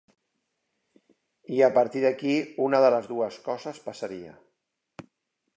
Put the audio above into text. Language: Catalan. A partir d'aquí, una de les dues coses passaria.